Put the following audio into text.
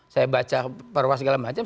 saya baca perwa segala macam